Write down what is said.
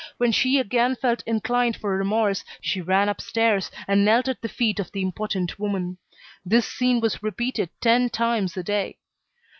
When she again felt inclined for remorse, she ran upstairs and knelt at the feet of the impotent woman. This scene was repeated ten times a day.